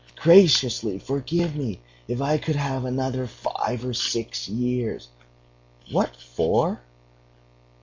Graciously forgive me! If I could have another five or six years!..." "What for?"